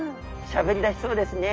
しゃべりだしそうですね。